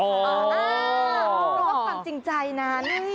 แล้วก็ความจริงใจนะนี่